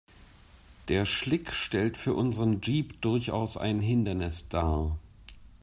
Der Schlick stellt für unseren Jeep durchaus ein Hindernis dar.